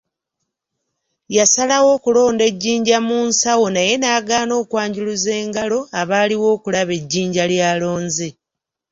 Yasalawo okulonda ejjinja mu nsawo naye n’agaana okwanjuluza engalo abaaliwo okulaba ejjinja ly’alonze.